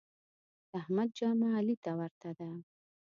د احمد جامه علي ته ورته ده.